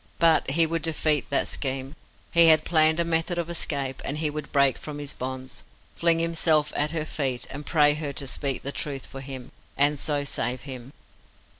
But he would defeat that scheme. He had planned a method of escape, and he would break from his bonds, fling himself at her feet, and pray her to speak the truth for him, and so save him.